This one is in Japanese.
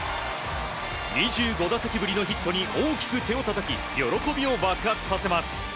２５打席ぶりのヒットに大きく手をたたき喜びを爆発させます。